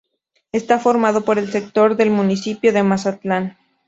Está formado por el sector sur del Municipio de Mazatlán.